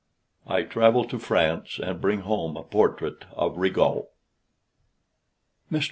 I TRAVEL TO FRANCE AND BRING HOME A PORTRAIT OF RIGAUD. Mr.